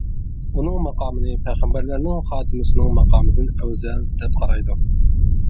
ئۇنىڭ ماقامىنى پەيغەمبەرلەرنىڭ خاتىمىسىنىڭ ماقامىدىن ئەۋزەل، دەپ قارايدۇ.